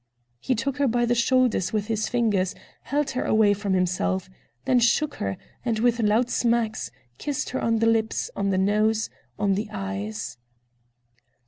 He took her by the shoulders with his fingers, held her away from himself, then shook her, and, with loud smacks, kissed her on the lips, on the nose, on the eyes.